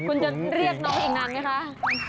คุณจะเรียกน้องอีกนานไหมคะ